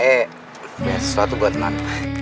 ayo biar sesuatu buat teman